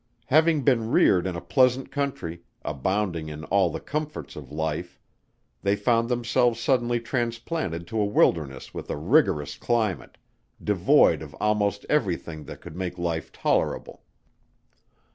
Having been reared in a pleasant Country, abounding in all the comforts of life, they found themselves suddenly transplanted to a wilderness with a rigorous climate, devoid of almost every thing that could make life tolerable.